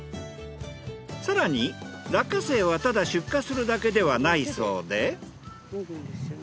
更に落花生はただ出荷するだけではないそうで。